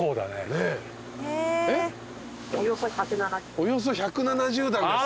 およそ１７０段です。